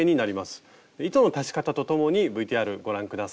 糸の足し方とともにＶＴＲご覧下さい。